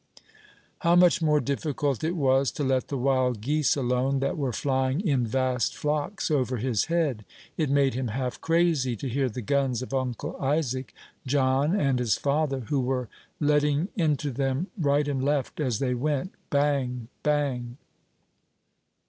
How much more difficult it was to let the wild geese alone, that were flying in vast flocks over his head! It made him half crazy to hear the guns of Uncle Isaac, John, and his father, who were letting into them right and left, as they went, bang, bang.